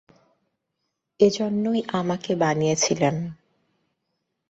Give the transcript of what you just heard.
এজন্যই, আমাকে বানিয়েছিলেন।